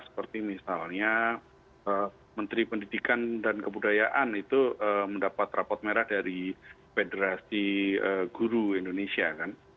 seperti misalnya menteri pendidikan dan kebudayaan itu mendapat rapot merah dari federasi guru indonesia kan